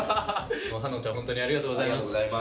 はのんちゃんホントにありがとうございます。